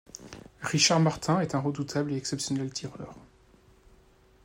Richard Martin est un redoutable et exceptionnel tireur.